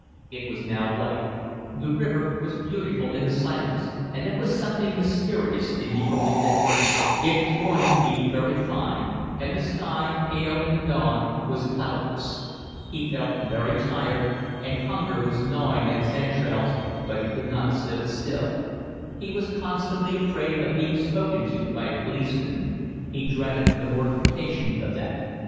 It was now light: the river was beautiful in the silence, and there was something mysterious in the early day; it was going to be very fine, and the sky, pale in the dawn, was cloudless. He felt very tired, and hunger was gnawing at his entrails, but he could not sit still; he was constantly afraid of being spoken to by a policeman. He dreaded the mortification of that.